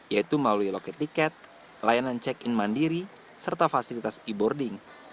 yaitu melalui loket tiket layanan check in mandiri serta fasilitas e boarding